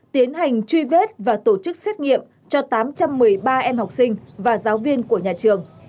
tiến hành truy vết và tổ chức xét nghiệm cho tám trăm một mươi ba em học sinh và giáo viên của nhà trường